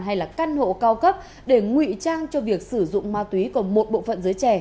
hay là căn hộ cao cấp để ngụy trang cho việc sử dụng ma túy của một bộ phận giới trẻ